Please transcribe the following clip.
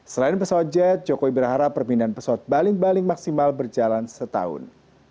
selain pesawat jet jokowi berharap permindahan pesawat baling baling maksimal berjalan setahun